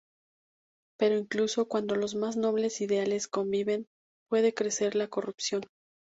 Pero incluso cuando los más nobles ideales conviven, puede crecer la corrupción.